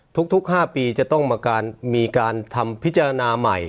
ทุก๕ปีจะต้องมีการทำพิจารณาใหม่